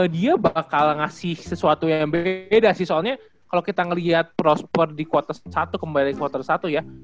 dia bakal ngasih sesuatu yang beda sih soalnya kalo kita ngeliat prosper di quarter satu kembali quarter satu ya